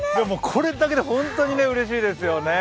これだけで本当にうれしいですよね。